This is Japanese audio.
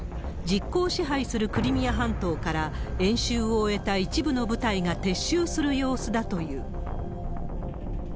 実効支配するクリミア半島から、演習を終えた一部の部隊が撤収する様子だという。